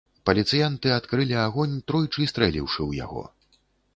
Паліцыянты адкрылі агонь, тройчы стрэліўшы ў яго.